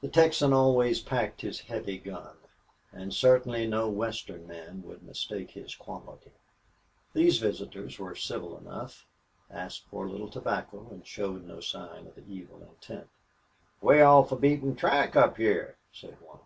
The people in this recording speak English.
The Texan always packed his heavy gun, and certainly no Western men would mistake his quality. These visitors were civil enough, asked for a little tobacco, and showed no sign of evil intent. "Way off the beaten track up hyar," said one.